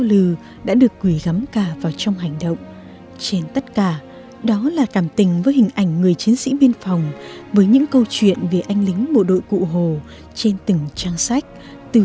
lư đã được cử đi học tại trường trung cấp biên phòng hai ở bà rịa vũng tàu